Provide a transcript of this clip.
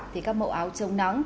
thì các mẫu áo trông nắng